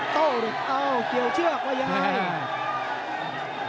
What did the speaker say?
โต้เออเกี่ยวเชือกว่าอย่างไร